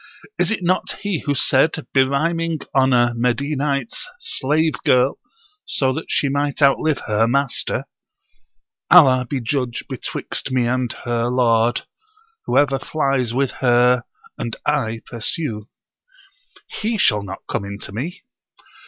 Is it not he who said, berhyming on a Medinite's slave girl, so that she might outlive her master: Allah be judge betwixt me and her lord Whoever flies with her and I pursue.' He shall not come in to me!